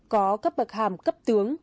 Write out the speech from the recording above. có cấp bậc hàm cấp tướng